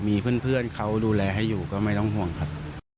มีเพื่อนเขาดูแลให้อยู่ก็ไม่ต้องห่วงครับ